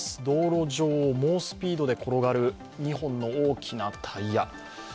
道路上、猛スピードで転がる２本の大きなタイヤ。